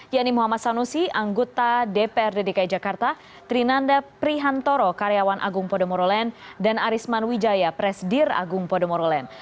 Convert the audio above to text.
yani muhammad sanusi anggota dprd dki jakarta trinanda prihantoro karyawan agung podomorolen dan arisman wijaya presidir agung podomorolen